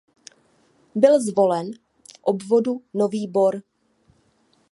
Byl zvolen v obvodu Nový Bor.